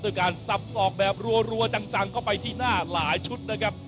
ด้วยการสับสอกแบบรัวจังเข้าไปที่หน้าหลายชุดนะครับ